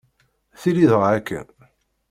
Tili dɣa akken!